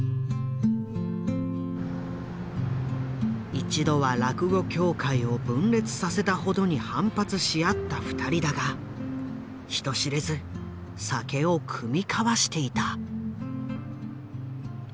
一度は落語協会を分裂させたほどに反発し合った２人だが人知れず酒を酌み交わしていた。